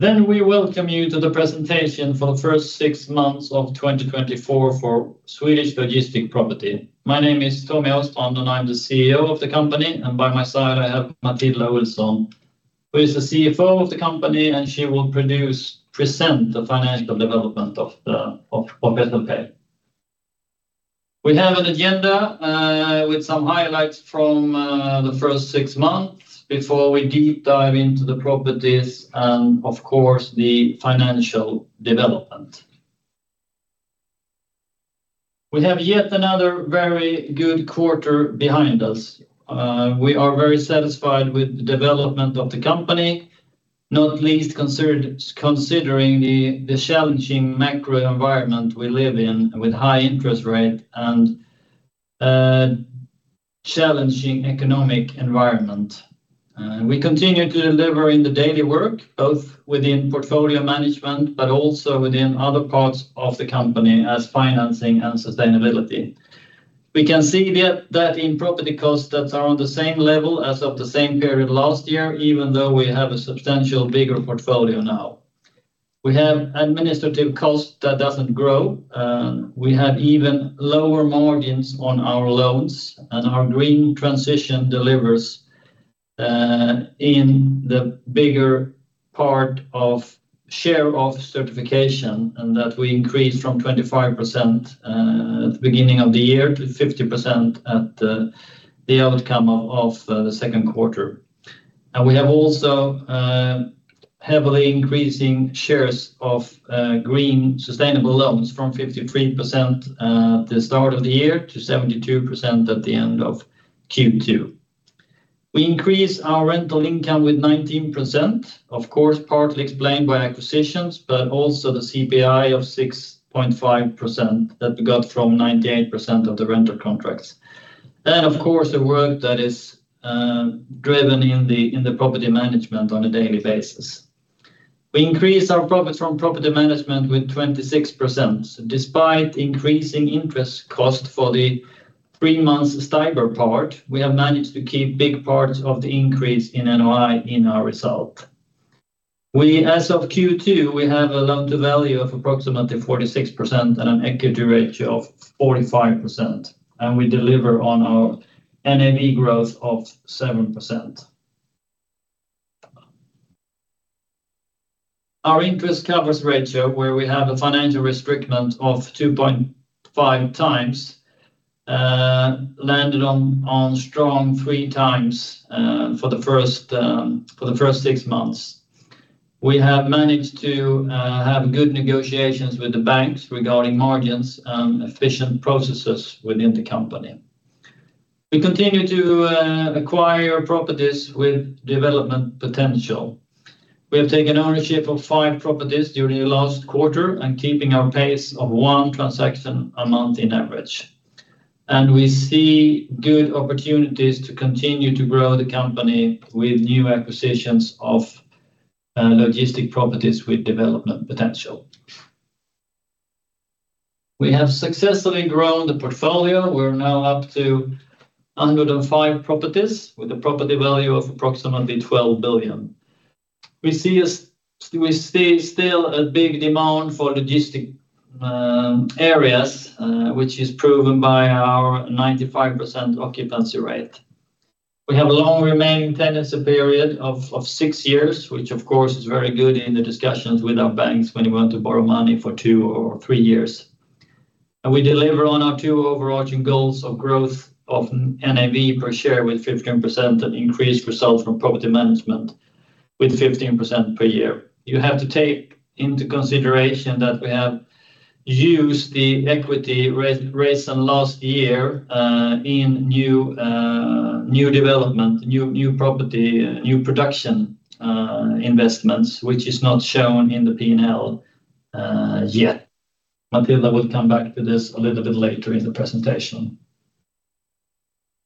Then we welcome you to the presentation for the first six months of 2024 for Swedish Logistic Property. My name is Tommy Åstrand, and I'm the CEO of the company, and by my side, I have Matilda Olsson, who is the CFO of the company, and she will present the financial development of SLP. We have an agenda with some highlights from the first six months before we deep dive into the properties and, of course, the financial development. We have yet another very good quarter behind us. We are very satisfied with the development of the company, not least considering the challenging macro environment we live in, with high interest rate and a challenging economic environment. We continue to deliver in the daily work, both within portfolio management but also within other parts of the company as financing and sustainability. We can see that in property costs that are on the same level as of the same period last year, even though we have a substantial bigger portfolio now. We have administrative cost that doesn't grow. We have even lower margins on our loans, and our green transition delivers in the bigger part of share of certification, and that we increased from 25% at the beginning of the year to 50% at the outcome of the second quarter. And we have also heavily increasing shares of green sustainable loans from 53% at the start of the year to 72% at the end of Q2. We increased our rental income with 19%, of course, partly explained by acquisitions, but also the CPI of 6.5% that we got from 98% of the rental contracts. Of course, the work that is driven in the property management on a daily basis. We increased our profits from property management with 26%. Despite increasing interest cost for the 3-month STIBOR part, we have managed to keep big parts of the increase in NOI in our result. We, as of Q2, have a loan-to-value of approximately 46% and an equity ratio of 45%, and we deliver on our NAV growth of 7%. Our interest coverage ratio, where we have a financial restriction of 2.5 times, landed on strong 3 times for the first six months. We have managed to have good negotiations with the banks regarding margins and efficient processes within the company. We continue to acquire properties with development potential. We have taken ownership of five properties during the last quarter and keeping our pace of one transaction a month in average. We see good opportunities to continue to grow the company with new acquisitions of logistics properties with development potential. We have successfully grown the portfolio. We're now up to 105 properties with a property value of approximately 12 billion. We see still a big demand for logistics areas, which is proven by our 95% occupancy rate. We have a long remaining tenancy period of six years, which of course is very good in the discussions with our banks when you want to borrow money for two or three years. We deliver on our two overarching goals of growth of NAV per share with 15% and increased results from property management with 15% per year. You have to take into consideration that we have used the equity raised some last year in new development, new property, new production, investments, which is not shown in the P&L yet. Matilda will come back to this a little bit later in the presentation.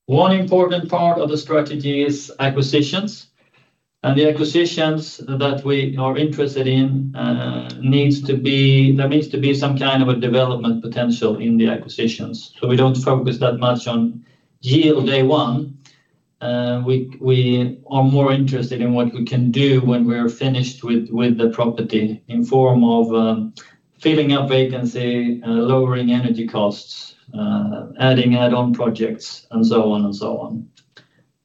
One important part of the strategy is acquisitions, and the acquisitions that we are interested in needs to be... There needs to be some kind of a development potential in the acquisitions, so we don't focus that much on yield day one. We are more interested in what we can do when we're finished with the property in form of filling up vacancy, lowering energy costs, adding add-on projects, and so on and so on.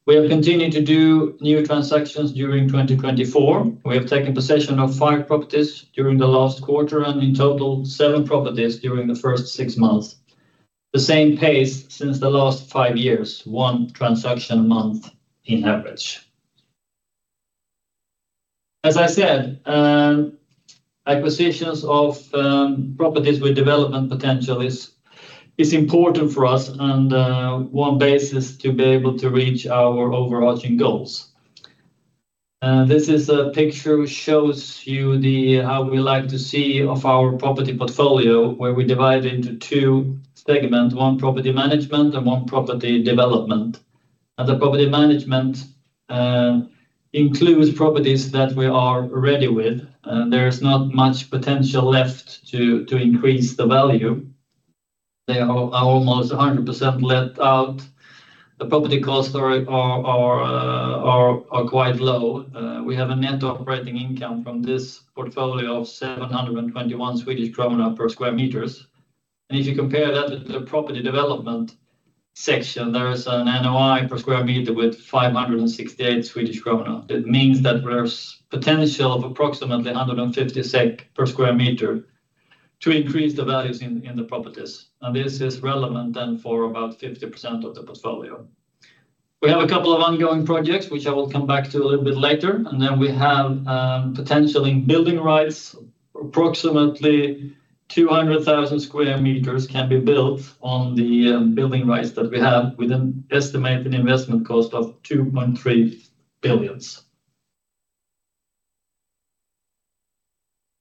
We have continued to do new transactions during 2024. We have taken possession of 5 properties during the last quarter, and in total, 7 properties during the first 6 months. The same pace since the last 5 years, 1 transaction a month in average. As I said, acquisitions of properties with development potential is important for us and one basis to be able to reach our overarching goals. This is a picture which shows you how we like to see our property portfolio, where we divide into two segments, one property management and one property development. And the property management includes properties that we are ready with, and there is not much potential left to increase the value. They are almost 100% let out. The property costs are quite low. We have a net operating income from this portfolio of 721 Swedish kronor per square meters. And if you compare that to the property development section, there is an NOI per square meter with 568 Swedish krona. It means that there's potential of approximately 150 SEK per square meter to increase the values in the properties, and this is relevant then for about 50% of the portfolio. We have a couple of ongoing projects, which I will come back to a little bit later, and then we have potential in building rights. Approximately 200,000 square meters can be built on the building rights that we have, with an estimated investment cost of 2.3 billion.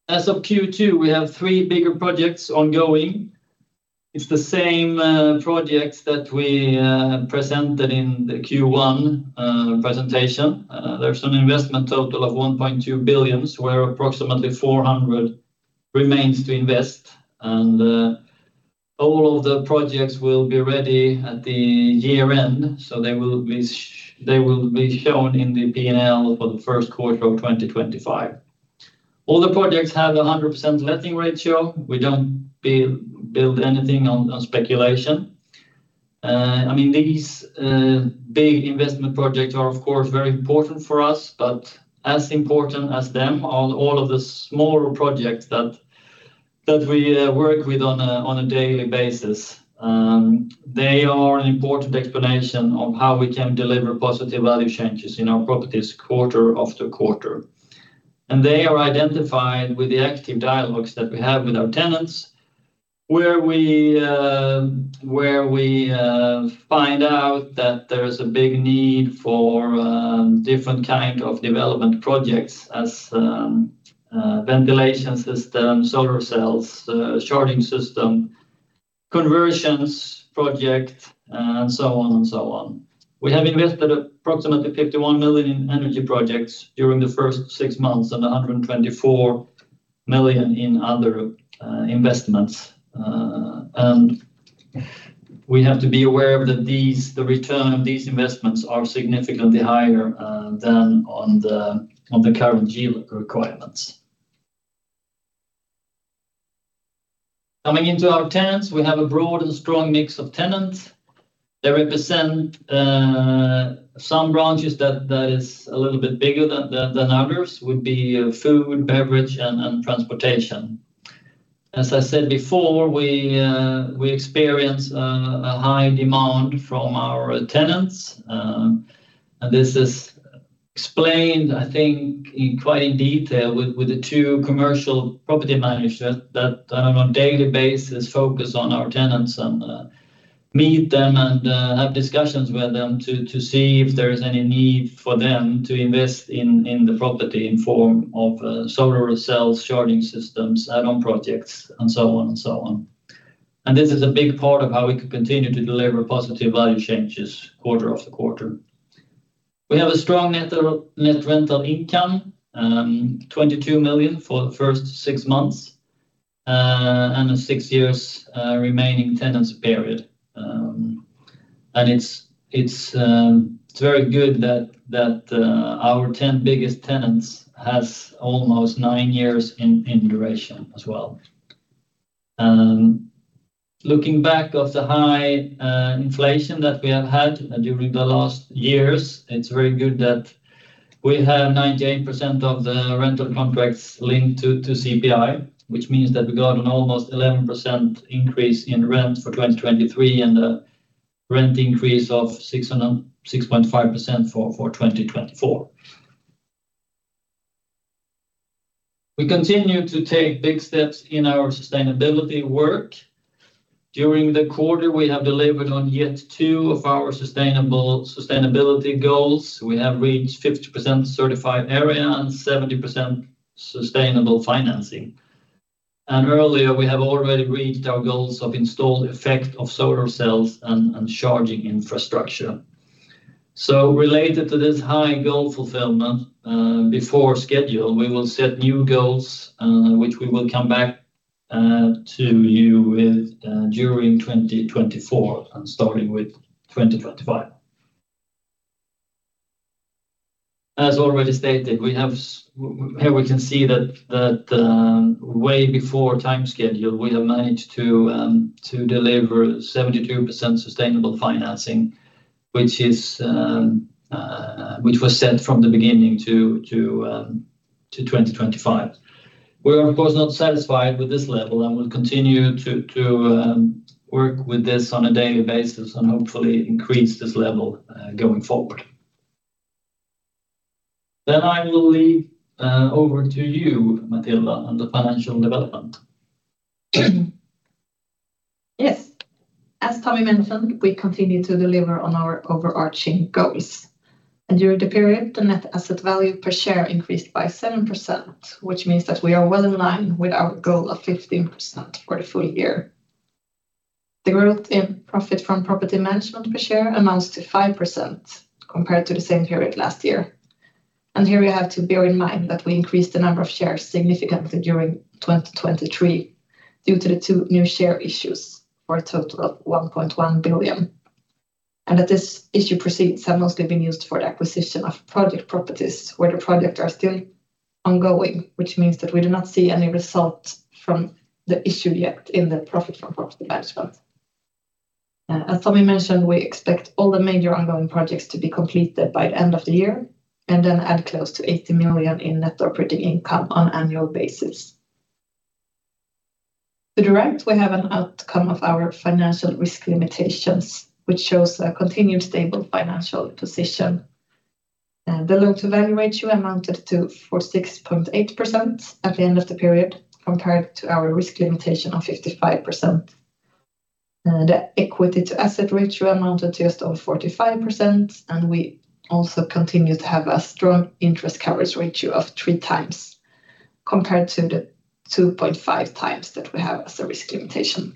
As of Q2, we have three bigger projects ongoing. It's the same projects that we presented in the Q1 presentation. There's an investment total of 1.2 billion, where approximately 400 million remains to invest, and all of the projects will be ready at the year end, so they will be shown in the P&L for the first quarter of 2025. All the projects have a 100% letting ratio. We don't build anything on speculation. I mean, these big investment projects are, of course, very important for us, but as important as them are all of the smaller projects that we work with on a daily basis. They are an important explanation of how we can deliver positive value changes in our properties quarter- after- quarter. They are identified with the active dialogues that we have with our tenants, where we find out that there's a big need for different kind of development projects as ventilation system, solar cells, charging system, conversions project, and so on and so on. We have invested approximately 51 million in energy projects during the first six months, and 124 million in other investments. And we have to be aware that these the return of these investments are significantly higher than on the current GL requirements. Coming into our tenants, we have a broad and strong mix of tenants. They represent some branches that is a little bit bigger than others, would be food, beverage, and transportation. As I said before, we experience a high demand from our tenants. This is explained, I think, in quite some detail with the two commercial property managers that on a daily basis focus on our tenants and meet them and have discussions with them to see if there is any need for them to invest in the property in form of solar cells, charging systems, add-on projects, and so on and so on. This is a big part of how we can continue to deliver positive value changes quarter- after- quarter. We have a strong net rental income, 22 million for the first six months, and a six-year remaining tenancy period. It's very good that our 10 biggest tenants has almost 9 years in duration as well. Looking back of the high inflation that we have had during the last years, it's very good that we have 98% of the rental contracts linked to CPI, which means that we got an almost 11% increase in rent for 2023 and a rent increase of 6.5% for 2024. We continue to take big steps in our sustainability work. During the quarter, we have delivered on yet two of our sustainable goals. We have reached 50% certified area and 70% sustainable financing. Earlier, we have already reached our goals of installed effect of solar cells and charging infrastructure. So related to this high goal fulfillment, before schedule, we will set new goals, which we will come back to you with during 2024 and starting with 2025. As already stated, here we can see that way before time schedule, we have managed to deliver 72% sustainable financing, which was set from the beginning to 2025. We are, of course, not satisfied with this level and will continue to work with this on a daily basis, and hopefully increase this level going forward. Then I will leave over to you, Matilda, on the financial development. Yes. As Tommy mentioned, we continue to deliver on our overarching goals. During the period, the net asset value per share increased by 7%, which means that we are well in line with our goal of 15% for the full year. The growth in profit from property management per share amounts to 5% compared to the same period last year. Here we have to bear in mind that we increased the number of shares significantly during 2023, due to the two new share issues, for a total of 1.1 billion. And that this issue proceeds have mostly been used for the acquisition of project properties, where the project are still ongoing, which means that we do not see any result from the issue yet in the profit from property management. As Tommy mentioned, we expect all the major ongoing projects to be completed by the end of the year, and then add close to 80 million in net operating income on annual basis. To the right, we have an outcome of our financial risk limitations, which shows a continued stable financial position. The loan-to-value ratio amounted to 46.8% at the end of the period, compared to our risk limitation of 55%. The equity-to-asset ratio amounted to just over 45%, and we also continue to have a strong interest coverage ratio of 3 times, compared to the 2.5 times that we have as a risk limitation.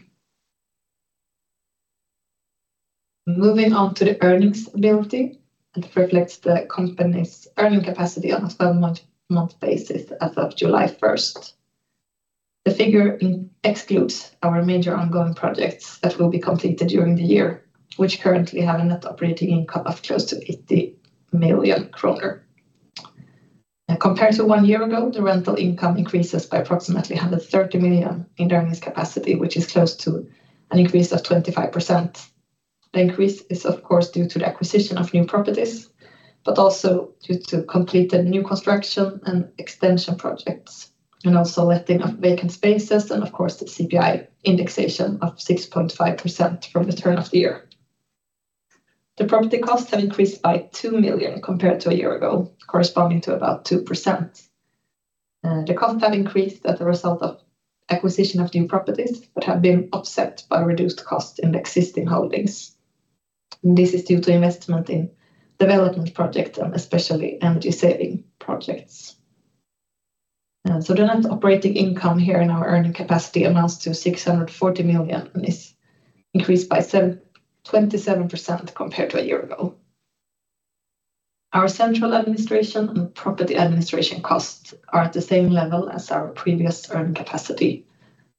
Moving on to the earnings ability, it reflects the company's earning capacity on a 12-month, month basis as of July first. The figure excludes our major ongoing projects that will be completed during the year, which currently have a net operating income of close to 80 million kronor. Compared to one year ago, the rental income increases by approximately 130 million in earnings capacity, which is close to an increase of 25%. The increase is, of course, due to the acquisition of new properties, but also due to completed new construction and extension projects, and also letting of vacant spaces, and of course, the CPI indexation of 6.5% from the turn of the year. The property costs have increased by 2 million compared to a year ago, corresponding to about 2%. The cost have increased as a result of acquisition of new properties, but have been offset by reduced cost in the existing holdings. This is due to investment in development projects, and especially energy-saving projects. So the net operating income here in our earning capacity amounts to 640 million, and is increased by 27% compared to a year ago. Our central administration and property administration costs are at the same level as our previous earning capacity,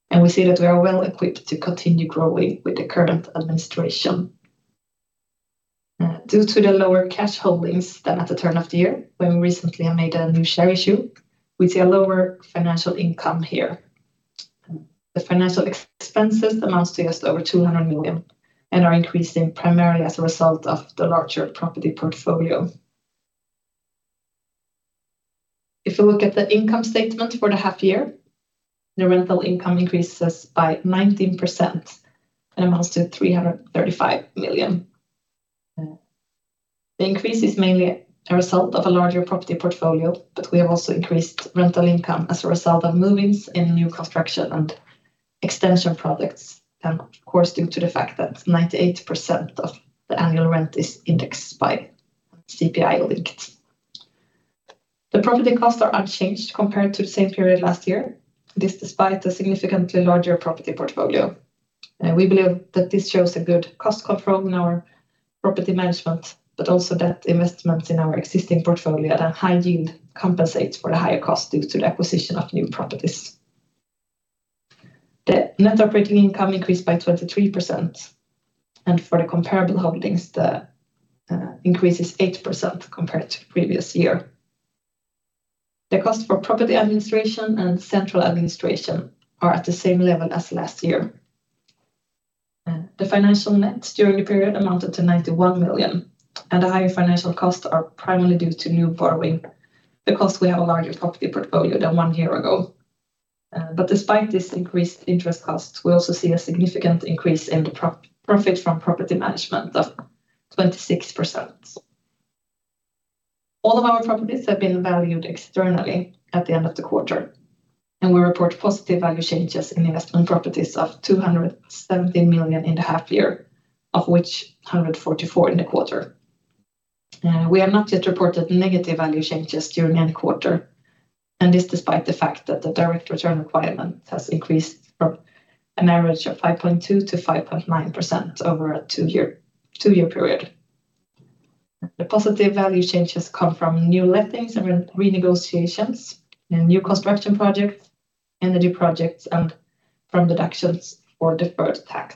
and we see that we are well-equipped to continue growing with the current administration. Due to the lower cash holdings than at the turn of the year, when we recently have made a new share issue, we see a lower financial income here. The financial expenses amounts to just over 200 million and are increasing primarily as a result of the larger property portfolio. If you look at the income statement for the half year, the rental income increases by 19% and amounts to 335 million. The increase is mainly a result of a larger property portfolio, but we have also increased rental income as a result of move-ins in new construction and extension projects, and of course, due to the fact that 98% of the annual rent is indexed by CPI linked. The property costs are unchanged compared to the same period last year. This despite a significantly larger property portfolio. We believe that this shows a good cost control in our property management, but also that investments in our existing portfolio at a high yield compensates for the higher cost due to the acquisition of new properties. The net operating income increased by 23%, and for the comparable holdings, the increase is 8% compared to the previous year. The cost for property administration and central administration are at the same level as last year. The financial net during the period amounted to 91 million, and the higher financial costs are primarily due to new borrowing, because we have a larger property portfolio than one year ago. But despite this increased interest costs, we also see a significant increase in the profit from property management of 26%. All of our properties have been valued externally at the end of the quarter, and we report positive value changes in investment properties of 217 million in the half year, of which 144 million in the quarter. We have not yet reported negative value changes during any quarter, and this despite the fact that the direct return requirement has increased from an average of 5.2 - 5.9% over a two-year period. The positive value changes come from new lettings and renegotiations, and new construction projects, energy projects, and from deductions for deferred tax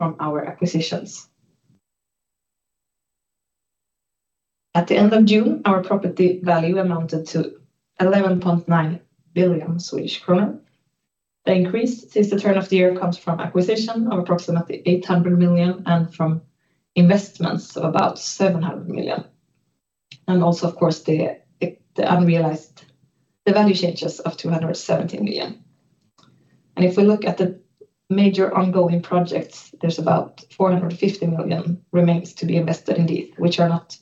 from our acquisitions. At the end of June, our property value amounted to 11.9 billion Swedish krona. The increase since the turn of the year comes from acquisition of approximately 800 million, and from investments of about 700 million. And also, of course, the unrealized value changes of 217 million. If we look at the major ongoing projects, there's about 450 million remains to be invested in these, which are not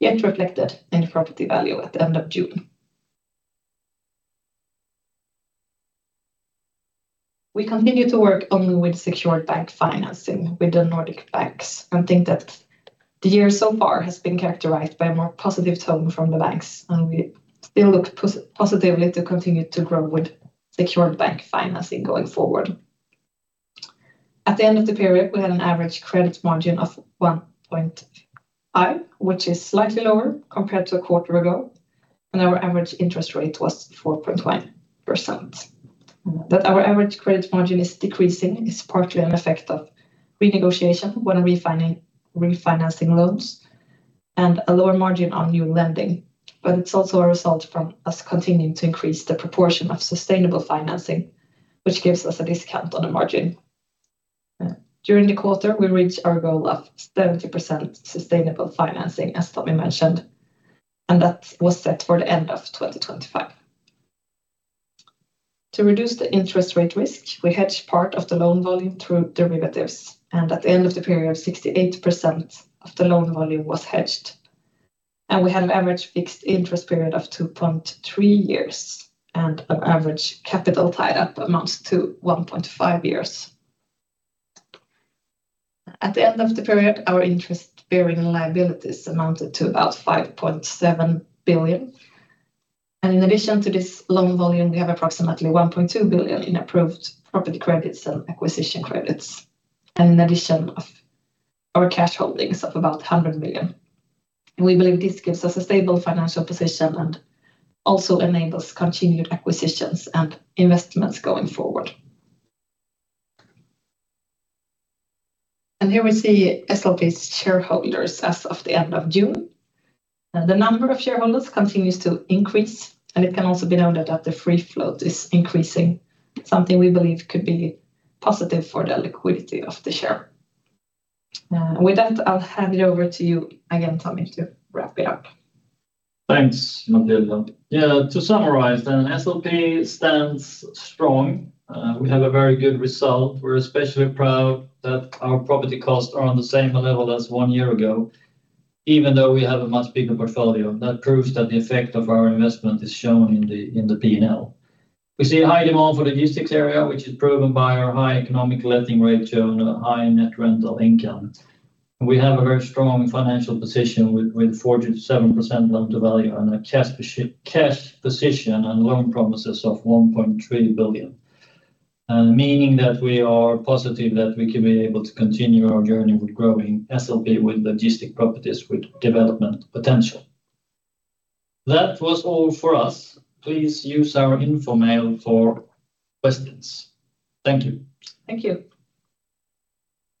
yet reflected in the property value at the end of June. We continue to work only with secured bank financing with the Nordic banks, and think that the year so far has been characterized by a more positive tone from the banks, and we still look positively to continue to grow with secured bank financing going forward. At the end of the period, we had an average credit margin of 1.1, which is slightly lower compared to a quarter ago, and our average interest rate was 4.1%. That our average credit margin is decreasing is partly an effect of renegotiation when refinancing loans, and a lower margin on new lending. But it's also a result from us continuing to increase the proportion of sustainable financing, which gives us a discount on the margin. During the quarter, we reached our goal of 70% sustainable financing, as Tommy mentioned, and that was set for the end of 2025. To reduce the interest rate risk, we hedged part of the loan volume through derivatives, and at the end of the period, 68% of the loan volume was hedged. And we had an average fixed interest period of 2.3 years, and an average capital tied up amounts to 1.5 years. At the end of the period, our interest-bearing liabilities amounted to about 5.7 billion. In addition to this loan volume, we have approximately 1.2 billion in approved property credits and acquisition credits, and in addition to our cash holdings of about 100 million. We believe this gives us a stable financial position and also enables continued acquisitions and investments going forward. Here we see SLP's shareholders as of the end of June. The number of shareholders continues to increase, and it can also be noted that the free float is increasing, something we believe could be positive for the liquidity of the share. With that, I'll hand it over to you again, Tommy, to wrap it up. Thanks, Matilda. Yeah, to summarize, then, SLP stands strong. We have a very good result. We're especially proud that our property costs are on the same level as one year ago, even though we have a much bigger portfolio. That proves that the effect of our investment is shown in the, in the P&L. We see a high demand for logistics area, which is proven by our high economic letting ratio and a high net rental income. We have a very strong financial position with 47% loan-to-value and a cash position and loan promises of 1.3 billion. And meaning that we are positive that we can be able to continue our journey with growing SLP with logistics properties, with development potential. That was all for us. Please use our info mail for questions. Thank you. Thank you!